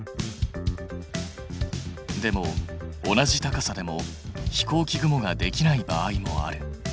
でも同じ高さでも飛行機雲ができない場合もある。